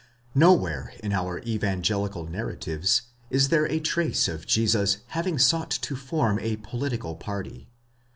Nowhere in our evangelical narratives is there a trace of Jesus having sought to form a political party.